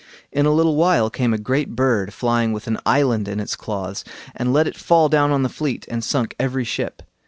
In a little while came a great bird flying with an island in its claws, and let it fall down on the fleet, and sunk every ship.